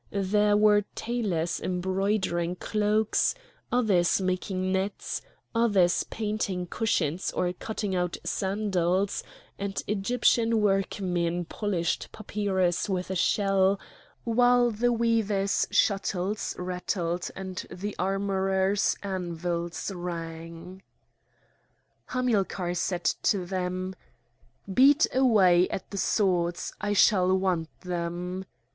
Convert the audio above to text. There were tailors embroidering cloaks, others making nets, others painting cushions or cutting out sandals, and Egyptian workmen polished papyrus with a shell, while the weavers' shuttles rattled and the armourers' anvils rang. Hamilcar said to them: "Beat away at the swords! I shall want them."